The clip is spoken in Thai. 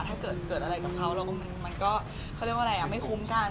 ถ้าเกิดอะไรกับเขามันก็ไม่คุ้มการ